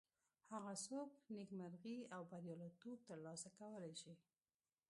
هغه څوک نیکمرغي او بریالیتوب تر لاسه کولی شي.